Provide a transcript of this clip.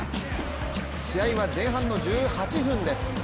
試合は前半の１８分です。